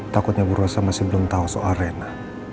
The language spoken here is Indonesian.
takutnya bu rosa masih belum tahu soal rena